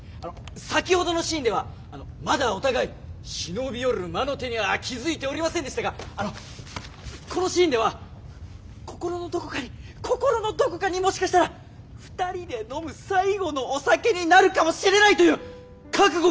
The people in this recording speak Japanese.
先ほどのシーンではまだお互い忍び寄る魔の手には気付いておりませんでしたがこのシーンでは心のどこかに心のどこかにもしかしたら２人で飲む最後のお酒になるかもしれないという覚悟がございます。